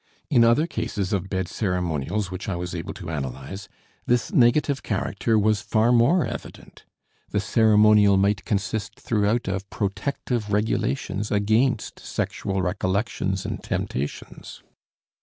In other cases of bed ceremonials which I was able to analyze, this negative character was far more evident; the ceremonial might consist throughout of protective regulations against sexual recollections and temptations.